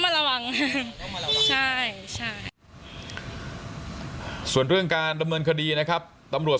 ระวังต้องมาระวังใช่ใช่ส่วนเรื่องการดำเนินคดีนะครับตำรวจ